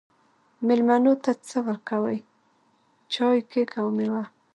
میلمنو ته څه ورکوئ؟ چای، کیک او میوه